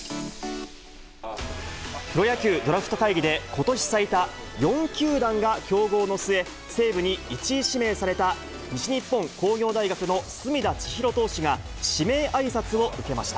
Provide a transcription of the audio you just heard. プロ野球ドラフト会議で、ことし最多４球団が競合の末、西武に１位指名された西日本工業大学の隅田知一郎投手が、指名あいさつを受けました。